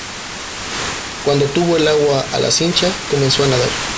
cuando tuvo el agua a la cincha comenzó a nadar